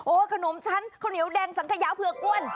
โอ้ขนมฉันข้าวเหนียวแดงสังขยาเพื่อกวน